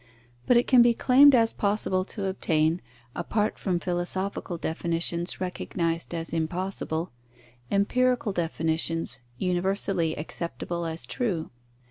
But it can be claimed as possible to obtain, apart from philosophical definitions recognised as impossible, empirical definitions, universally acceptable as true.